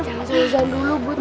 jangan seuzon dulu butet